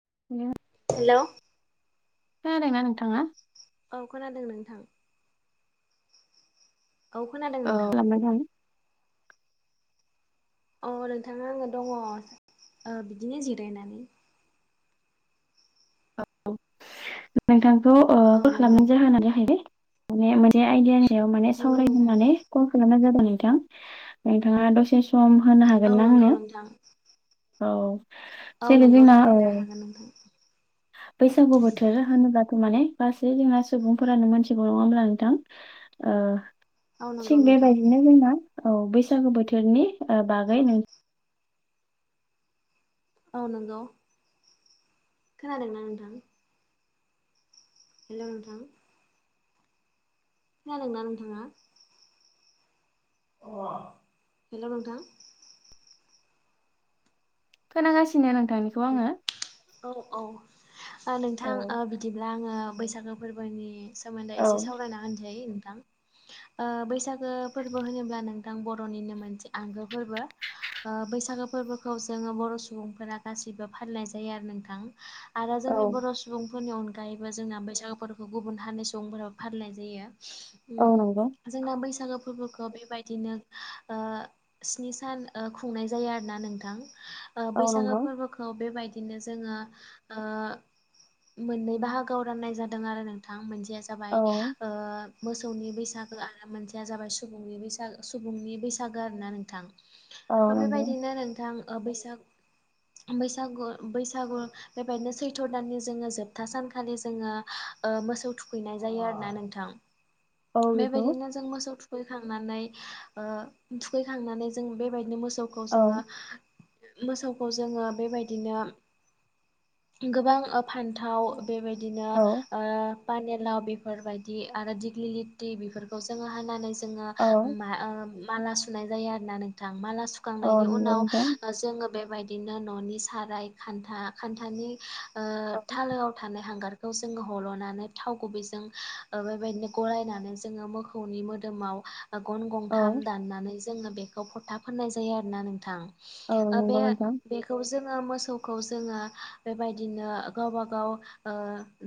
[unintelligible] Hello खोनादों ना नोंथाङा औ खोनादों नोंथां। औ खोनादों औ नोंथां। अ नोंथाङा आङो दङ ओ बिदिनो जिरायनानै [unintelligible] नोंथांखौ ओ औ ब नंगौ खालामनायनि [unintelligible] ए आइडियानि सायाव माने नंगौ सावरायनो नोंथां होननानै कल खालामनाय जादों नोंथां नोंथाङा दसे सम होनो औ हागोन ना नंगौ आंनो? नोंथां औ औ जेरै नोंगौ जोंना ओ थाहरैनो हागोन नोंथां। बैसागु बोथोर होनोब्ला माने गासै जोंना सुबुंफोरानो मोनथिगौ नङा होमब्ला नोंथां ओ औ नंगौ थिग नोंथां बेबायदिनो जोंना औ बैसागो बोथोरनि बागै नों औ नंगौ खोनादोंना नोंथां? हेल' नोंथां खोनादोंना नोंथाङा? अ हेल' नोंथां खोनागासिनो नोंथांनिखौ आङो औ औ ओ औ नोंथां ओ बिदिब्ला आङो बैसागो फोरबोनि सोमोन्दै औ एसे सावरायना होनोसै नोंथां। ओ बैसागो फोरबो होनोब्ला नोंथां बर'निनो मोनसे आंगो फोरबो बैसागो ओ बैसाग- फोरबोखौ जोङो बर' सुबुंफोरा गासैबो फालिनाय जायो आरो नोंथां आरो औ जोंनि बर' सुबुं- फोरफोरनि अनगायैबो जोंना बैसागु फोरफोरखौ गुबुन हारिनि सुबुंफोराबो फालिनाय जायो। होम औ नंगौ जोंना बैसागो फोरबोखौ बेबायदिनो ओ स्नि सान ओ खुंनाय जायो आरोना नोंथां अ नंगौ खौ बेबायदिनो जोङो ओ मोननै बाहागोआव राननाय जादों आरो नोंथां मोनसेया जाबाय औ ओ मोसौनि बैसागो आरो मोनसेया जाबाय सुबुंनि बैसाग सुबुंनि बैसागो आरो ना नोंथां। औ नंगौ बेबायदिनो नोंथां बैसाग बैसागु बैसागु बेबायदिनो सैथ' दाननि जोङो जोबथा सानखालि जोङो मोसौ थुखैनाय जायो आरोना नोंथां औ बेखौ बेबायदिनो जों मोसौ थुखैनाय थुखैखांनानै ओ थुखैखांनानै जों बेबायदिनो मोसौखौ औ जोङो मोसौखौ जोङो बेबायदिनो गोबां ओ फान्थाव बेबायदिनो औ ओ पानिलाव बेफोरबायदि आरो दिग्लि लिरटि बेफोरखौ जोङो हानानै जायो। जोङो औ ओ माला सुनाय जायो आरोना नोंथां। माला औ सुखांनायनि नंगौ उनाव नोंथां जोङो बेबायदि बिदिनो न'नि साराय खान्था खान्थानि ओ थालोआव थानाय हांगार खौ जोङो हल'नानै थाव गुबैजों ओ बेबायदिनो गलायनानै जोङो मोखौनि मोदोमाव गन औ गंथाम दाननानै जोङो बेखौ फोथा फोननाय जायो आरोना नोंथां। औ नंगौ नोंथां खौ जोङो मोसौखौ जोङो बेबायदिनो गावबा गाव ओ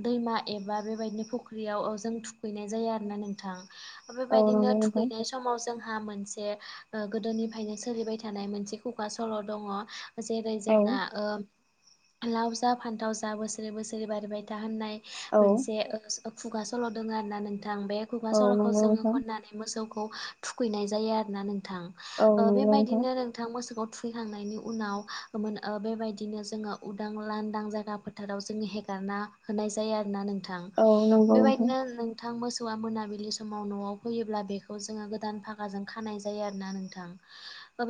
दैमा ए एबा बेबायदिनो फख्रियाव जों थुखैनाय जायो आरो ना नोंथां। औ बेबायदिनो नंगौ नोंथां थुखैनाय समाव जोंहा मोनसे ओ गोदोनिफ्रायनो सोलिबाय थानाय मोनसे खुगा सल' दङ। जेरै औ जोंना ओ लाव जा फान्थाव जा बोसोरै बोसोरै बारिबाय था होनोननाय औ मोनसे ओ खुगा सल' दङ आरो ना नोंथां बे खुगा औ सल'खौ नंगौ जोङो नोंथां खननानै मोसौ थुखैनाय जायो आरोना नोंथां औ नंगौ बेबायदिनो नोंथां मोसौखौ थुखैखांनायनि उनाव मोन बेबायदिनो जोङो उदां लांदां जायगा फोथाराव जो हेगारना होनाय जायो आरोना नोंथां औ थां नंगौ नोंथां बेबायदिनो नोंथां मोसौ मोसौआ मोनाबिलि समाव न'आव फैयोब्ला बेखौ जोङो गोदान फागाजों खानाय जायो आरो ना नोंथां।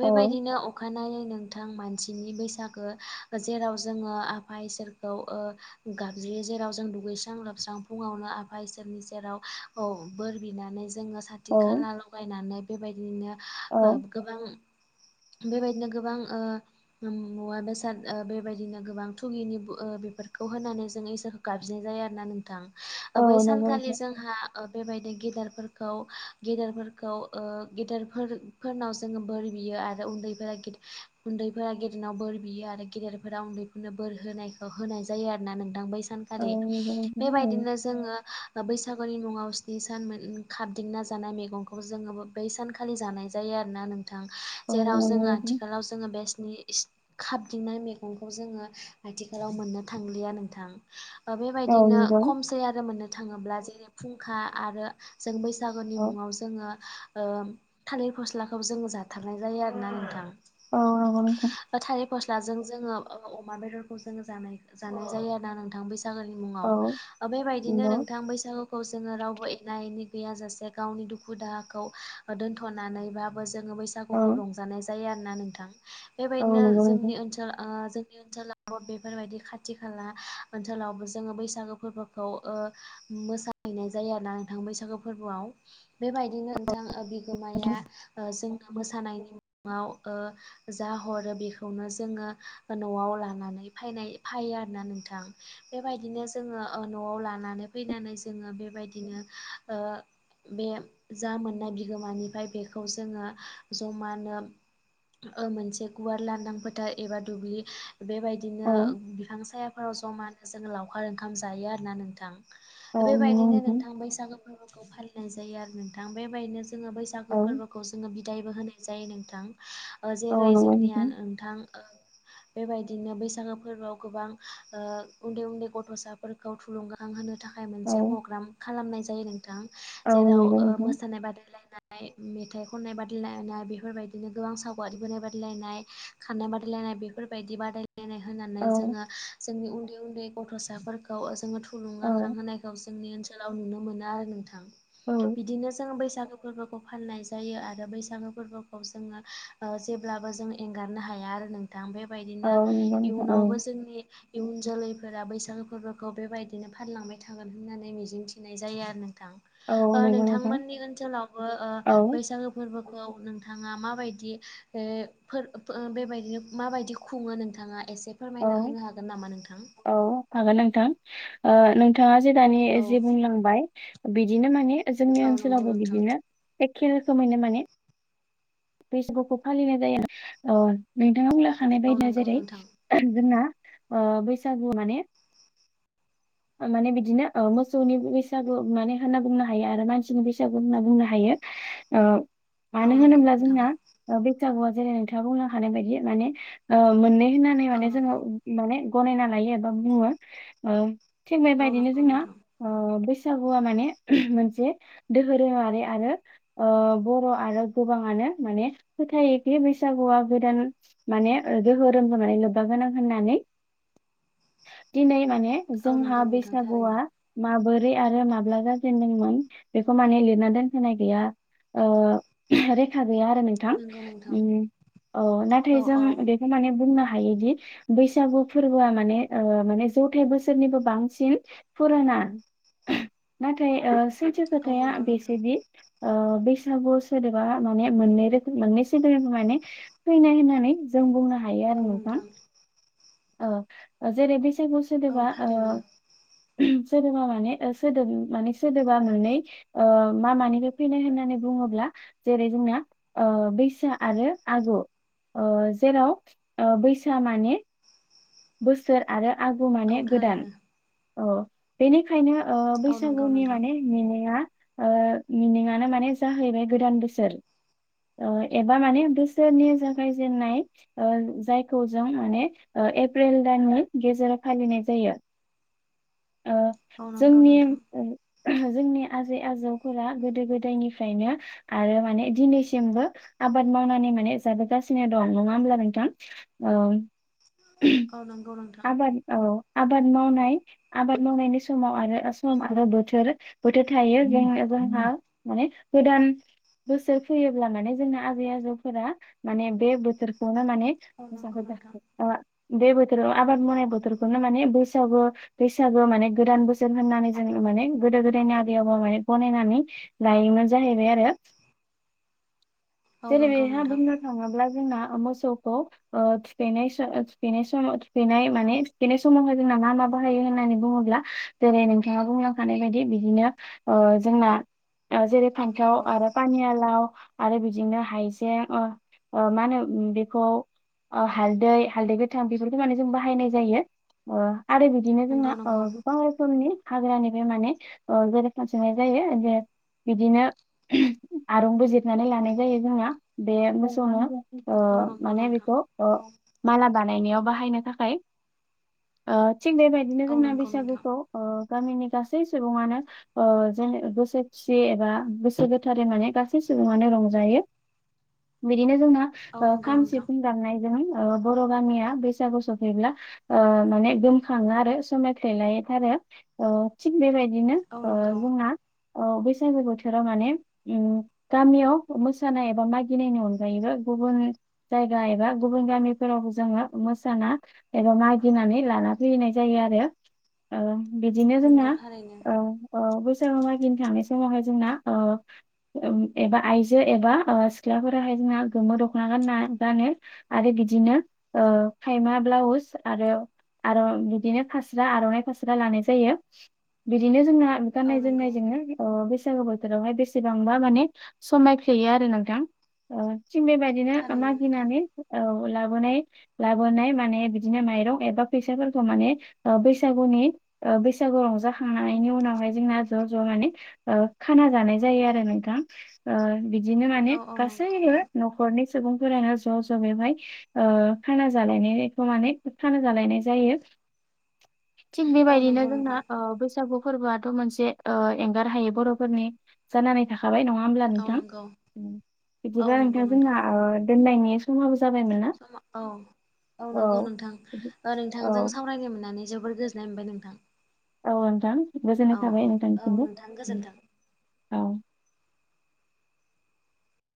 औ बेबायदिनो अखानायै नोंथां मान बिनि बैसागो जेराव जोङो आफा इसोरखौ ओ गाबज्रियो जेराव जों दुगैस्रां लोबस्रां फुङावनो आफा इसोरनि सेराव औ बोर बिनानै जोङो साथि औ खाला लगायनानै बेबायदिनो औ गोबां, बेबायदिनो गोबां ओ मुवा बेसाद ओ बेबायदिनो गोबां थुगिनि ओ बेफोरखौ होनानै जों इसोरखौ गाबज्रिनाय जायो आरो ना औ नोंथां बै नंगौ सानखालि नोंथां जोंहा, बेबायदि गेदेफोरखौ गेदेरफोरखौ ओ गेदेरफोरफोरनाव गेदेर फोरनाव जोङो बोर बियो आरो उन्दैफोरा गिद उन्दै फोरा गेदेरनाव बोर बियो आरो गेदेरफोरा उन्दैफोरनो बोर होनायखौ होनाय जायो आरो ना नोंथां बै औ सानखालि नंगौ नोंथां औ बेबायदिनो जोङो, बैसागुनि मुङाव स्नि सान मोन खाबदिंना जानाय मैगंखौ जोङो बै सानखालि जानाय जायो। आरो ना नोंथां औ जेराव नंगौ जोङो नोंथां आथिलाव जोङो बेस्त, [unintelligible] खाबदिंनाय मैगंखौ जोङो आथिखालाव मोननो थांलिया नोंथां। औ बेबायदिनो नंगौ खमसे आरो मोननो थाङोब्ला जेरै फुंखा आरो जों बैस बैसागोननि औ मुङाव जोङो ओ थालिर फस्लाखौ जोङो जाथारनाय जायो आरोना नोंथां, अ थालिर फस्लाजों जोङो ओ अमा बेदरखौ जोङो जानाय जानाय जायो आरो ना नोंथां बै बैसागोनि मुङाव औ बेबायदिनो नंगौ नोंथां बैसागु, खौ जों रावबो एना एनि गैयाजासे गावनि दुखु दाहाखौ दोनथ'नानै बाबो जोङो औ बैसागुखौ रंजानाय जायोना नोंथां औ बेबायदिनो नंगौ नोंथां जोंनि ओनसोल ओ जोंनि ओनसोलावबो बेफोरबायदि खाथि खाला ओनसोलावबो जोङो बैसागु फोरबोखौ ओ मोसाहैनाय जायो आरोना नोंथां बैसागो फोरबोआव बेबायदिनो नोंथां ओ बिगोमाया ओ जोंनो मोसानायनि मुङाव ओ जा हरो बेखौनो जोङो न'आव लानानै फायनाय फैयो आरोना नोंथां, बेबायदिनो जोङो ओ न'आव लानानै फैनानै जोङो बेबायदिनो ओ बे जा मोननाय बिगोमानिफ्राय बेखौ जोङो जमानो, ओ मोनसे गुवार लांदां फोथार एबा दुब्लि, बेबायदिनो औ बिफां सायाफोराव ज'मानो जोङो लावखार ओंखाम जायो आरोना नोंथां, औ नंगौ बेबायदिनो नोंथां बैसागो फोरबोखौ फालिनाय जायो। आरो नोंथां बेबायनो, जोङो बैसागु औ फोरबोखौ जोङो बिदायबो होनाय जायो नोंथां, औ जेरै नंगौ जोंनिया नोंथां ओ बेबायदिनो बैसागो फोरबोआव गोबां ओ उन्दै उन्दै गथ'साफोरखौ थुलुंगां होनो थाख थाखाय औ मोनसे फग्राम खालामनाय जायो नोंथां औ जेराव नंगौ ओ नोंथां मोसानाय बादायलायनाय, मेथाइ खननाय बादायलायनाय बेफोरबायदिनो गोबां साव [unintelligible] बोनाय बादायलायनाय खारनाय बादायलायनाय बेफोरबायायदि बादाय बादायनाय होनानै जोङो औ जोंनि उन्दै उन्दै गथ'साफोरखौ जोङो थु औ थुलुंगाखांहोनायखौ जोंनि ओनसोलाव नुनो मोनो आरो नोंथां औ बिदिनो जों बैसागो, फोरबोखौ फालिनाय जायो आरो बैसागो फोरबोखौ जोङो, ओ जेब्लाबो जों एंगारनो हाया आरो नोंथां औ बेबायदिनो नंगौ नोंथां औ इयुनावबो जोंनि, इयुन जोलैफोरा बैसागो फोरबोखौ बेबायदिनो फालिलांबाय थागोन होननानै मिजिंथिनाय जायो आरो नों औ नोंथां नंगौ नोंथां नोंथांमोननि ओनसोलावबो ओ औ बैसागु फोरबो औ नोंथाङा मा बायदि ए फोरबो ओ बेबायदिनो माबायदि खुङो नोंथाङा? एसे औ फोरमायना होनो हागोन नामा नोंथां? औ हागोन नोंथां ओ, नोंथाङा जे दानि औ जे बुंलांबाय बिदिनो माने, जोंनि औ नंगौ ओनसोलावबो नोंथां बिदिनो बे खेलखो माने बैसागुखौ फालिनाय जायो नोंथाङा बुंलाखानाय औ बायदिया नंगौ जेरै नोंथां जोंना, ओ बैसागु माने, माने बिदिनो ओ मोसौनि बैसागु माने होनना बुंनो हायो आरो मानसिनि बैसागु होनना बुंनो हायो। आ औ मानो नंगौ होनोब्ला नोंथां जोंना बैसागुआ जेरै नोंथाङा बुंनो हानाय बायदि माने ओ मोननै होननानै औ माने जोङो नंगौ माने गनायना लायो एबा बुङो। थिग औ बेबायदिनो नंगौ जोंना नोंथां। ओ बैसागुआ माने मोनसे दोरोमारि आरो बर आरो गोबाङानो माने फोथा योदि बैसागुआ गोदान माने रोहोरोम होनानै लोब्बा गोनां होननानै दिनै माने औ जोंहा नंगौ नोंथां बैसागुआ थारैनो माबोरै रै आरो माब्ला जाजेनदोंमोन बेखौ माने लिरना दोनहोनाय गैया ओ रेखान गैया आरो नोंथां नंगौ नोंथां। उम अ औ नाथाय जों औ। बेखै माने बुंनो हा दि बैसागु फोरबो माने म जथाय बोसोर। निबो बांसिन फुराना नाथाय ओ सोथो औ खोथाया नंगौ नोंथां बेसे दि ओ बैसागु सोरदबा माने मोननै रो मोननै सोद माने फैनाय होननानै जों बुंनो हायो। हायो आरो नोंथां। बैसागु औ सोदोबा ओ थारैनो सोदोबा माने सोदोब माने सोदोबा ननानै मा मानिफ्राय फैनाय होननानै बुङोब्ला जेरै जोंना ओ बैसो आरो आगु। ओ जेराव बैसा माने बोसोर आरो आगु माने औ गोदान थारैनो औ बेनिखायनो ओ औ नंगौ बैसागुनि नोंथां। माने मिनिंया ओ मिनिङानो माने जाहैबाय गोदान बोसोर ओ एबा माने बोसोरनि जागायजेननाय ओ जायखौ जों माने ओ ए एप्रिल दाननि गेजेराव फालिनाय जायो। ओ औ नंगौ जोंनि नोंथां जोंनि आजै आजौफोरा गोदो गोदायनिफ्रायनो आरो माने दिनैसिमबो आबाद मावनानै माने जाबोगासिनो दं नङा होमब्ला नोंथां ओं। औ नंगौ नोंथां आबाद औ आबाद मावनाय आबाद मावनायनि समाव आरो सम आरो बोथोर बोथोर थायो जों जोंहा माने गोदान बोसोर फैयोब्ला माने जोंना आजै आजौफोरा माने बे बोथोरखौ माने औ नंगौ नोंथां [unintelligible] बे बोथोराव आबाद मावनाय बोथोरखौनो माने बैसागु बैसागु माने गोदान बोसोर होननानै जों माने गोदो गोदायनि आबै आबौ माने गनायनानै लायोमोन जाहैबाय आरो। औ जेरै नंगौ बेहा नोंथां बुंनो थाङोब्ला जोंना मोसौखौ ओ थुखैनाय थुखैनाय समाव थुखैनाय माने थुखैनाय समावहाय जोंना मा मा बाहायो होननानै बुङोब्ला जेरै नोंथाङा बुं लांखानाय बायदि बिदिनो ओ जोंना जेरै औ फान्थाव नंगौ आरो पानियालाव आरो बिदिनो हाइजें अ अ मा होनो बेखौ अ हालदै हालदै गो थां बेफोरखौ माने जों बाहायनाय जायो ओ आरो बिदिनो जोंना नंगौ ओ नंगौ गोबां रोखोमनि हाग्रानिफ्राय माने ओ गोरोबफसोबनाय जायो जे बिदिनो आरंबो जिरनानै लानाय जायो जोंना बे मोसौनो। अ औ नंगौ माने नोंथां बेखौ अ माला [unintelligible] बाहायनो थाखाय ओ थिग बेबायदिनो औ जोंना नंगौ नोंथां बैसागुखौ ओ गामिनि गासै सुबुंङानो ओ जेन गोसो खुसि एबा गोसो गोथारै माने गासै सुबुङानो रजायो बिदिनो जोंना औ ओ नंगौ खाम नोंथां सिफुं दामनायजों ओ बर गामिया बैसागु सफैब्ला ओ माने गोमखाङो आरो समाय फ्लेलाय थारो। ओ थिग बेबायदिनो औ ओ नंगौ जोंहा औ बैसागो बोथोराव माने उम गामियाव मोसानाय एबा मागिनायनि अनगायैबो गुबुन जायगा एबा गुबुन गामि फोरावबो जोङो मोसाना एबा मागिनानै लाना फैनाय जायो आरो बिदिनो जोंना नंगौ थारैनो औ औ जोङो मागिनो थांनाय समावहाय जोंना ओ एबा आइजो एबा ओ सिख्लाफोराहाय जोंहा गोमो दख'ना गान गानो आरो बि दिनो ओ खायमा ब्लाउस आरो आरो बिदिनो फास्रा आर'नाइ फास्रा लानाय जायो बिदिनो जोंना औ गाननाय नंगौ जनाय जोनो ओ बैसागु बोथोरावहाय बेसेबांबा माने समायफ्लेयो आरो नोंथां। ओ थिग बेबायदिनो थारैनो नोंथां मागिनानै औ लाबोनाय लाबोनाय माने बिदिनो माइरं एबा फैसाफोरखौ माने ओ बैसागुनि ओ बैसागु रंजाखांनायनि उनावहाय जोंना ज' ज' माने ओ खाना जानाय जायो आरो नों थां ओ बिदिनो औ माने औ नंगौ गासैबो नोंथां नखरनि सुबुंफोरानो ज' ज' बेवहाय ओ खाना जालायनायखौ माने खाना जालायनाय जायो थिग औ बेबायदिनो नंगौ जोंना नोंथां ओ बैसागु फोरबोआथ' मोनसे ओ एंगार हायो बर'फोरनि जानानै थाखा बाय नङा हब्ला औ नोंथां! नंगौ बिदिबा औ नोंथां नंगौ जोंना ओ दोननायनि समाबो जाबायमोन ना? समा औ औ नंगौ नोंथां औ नोंथांजों सावरायनो मोननानै जो जोबोर गोजोननाय मोनबाय नोंथां। औ नोंथां गोजोननाय औ थाबाय औ औ नोंथांनिसिमबो। नोंथां उम गोजोन्थों। औ